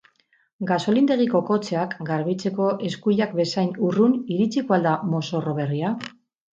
Gasolindegiko kotxeak garbitzeko eskuilak bezain urrun iritsiko al da mozorro berria?